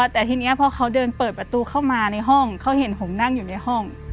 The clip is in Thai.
แต่ทีนี้พอเขาเดินเปิดประตูเข้ามาในห้องเขาเห็นผมนั่งอยู่ในห้อง